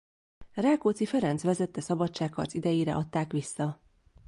Rákóczi Ferenc vezette szabadságharc idejére adták vissza.